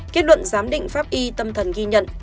kết luận giám định pháp y tâm thần ghi nhận